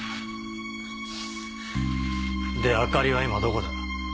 であかりは今どこだ？